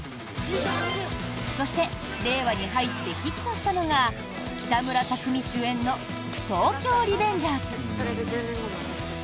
そして令和に入ってヒットしたのが北村匠海主演の「東京リベンジャーズ」。